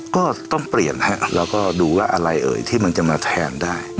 ก็ต้องเปลี่ยนฮะแล้วก็ดูว่าอะไรเอ่ยที่มันจะมาแทนได้